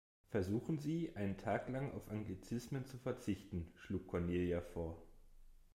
Versuchen Sie, einen Tag lang auf Anglizismen zu verzichten, schlug Cornelia vor.